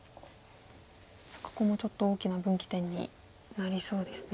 ここもちょっと大きな分岐点になりそうですね。